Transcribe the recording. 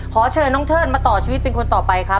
ขอเชิญน้องเทิดมาต่อชีวิตเป็นคนต่อไปครับ